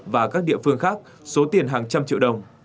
và các địa phương khác số tiền hàng trăm triệu đồng